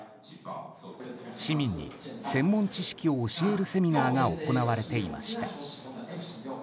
市民に専門知識を教えるセミナーが行われていました。